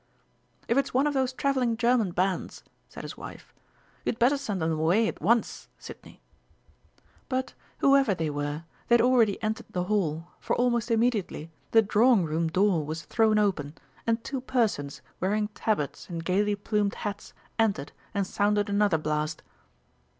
"If it's one of those travelling German bands," said his wife, "you'd better send them away at once, Sidney." But, whoever they were, they had already entered the hall, for almost immediately the drawing room door was thrown open and two persons wearing tabards and gaily plumed hats entered and sounded another blast.